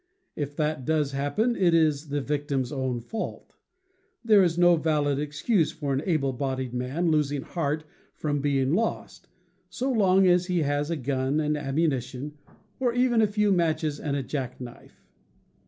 If that does happen, it is the victim's own fault. There is no valid excuse for an able bodied man losing heart from being lost, so long as he has a gun and ammunition, or even a few matches and a jackknife.